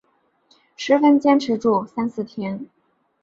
十分坚持住三四天